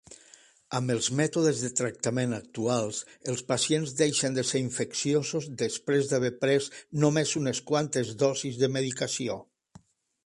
Amb els mètodes de tractament actuals els pacients deixen de ser infecciosos després d'haver pres només unes quantes dosis de medicació.